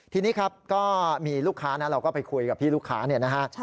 ทีนี้ครับก็มีลูกค้านะเราก็ไปคุยกับพี่ลูกค้าเนี่ยนะฮะ